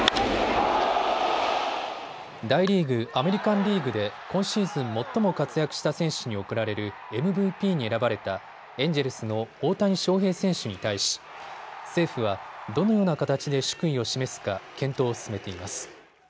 大リーグ、アメリカンリーグで今シーズン最も活躍した選手に贈られるＭＶＰに選ばれたエンジェルスの大谷翔平選手に対し政府は、どのような形で祝意を示すか検討を進めています。